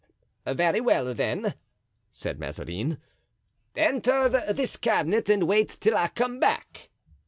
"Very well, then," said Mazarin; "enter this cabinet and wait till I come back."